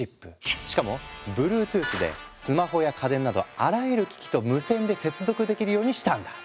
しかもＢｌｕｅｔｏｏｔｈでスマホや家電などあらゆる機器と無線で接続できるようにしたんだ。